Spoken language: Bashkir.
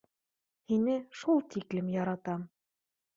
Һине шул тиклем яратам.